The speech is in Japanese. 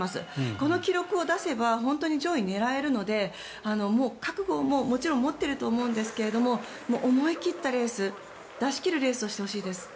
この記録を出せば本当に上位を狙えるのでもう覚悟はもちろん持っているとは思うんですけど思い切ったレース出し切るレースをしてほしいです。